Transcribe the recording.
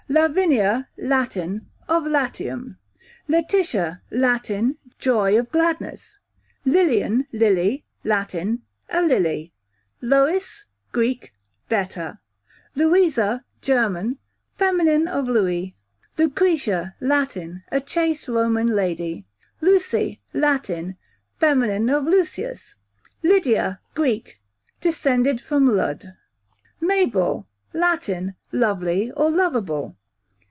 Lavinia, Latin, of Latium. Letitia, Latin, joy of gladness. Lilian / Lily, Latin, a lily. Lois, Greek, better. Louisa, German, fem. of Louis, q.v. Lucretia, Latin, a chaste Roman lady. Lucy, Latin, feminine of Lucius. Lydia, Greek, descended from Lud, Mabel, Latin, lovely or loveable.